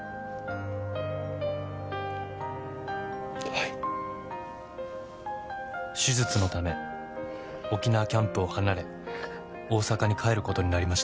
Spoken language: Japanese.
はい手術のため沖縄キャンプを離れ大阪に帰ることになりました